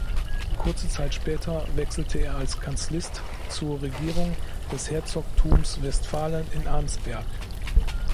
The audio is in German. Kurze Zeit später wechselte er als Kanzlist zur Regierung des Herzogtums Westfalen in Arnsberg.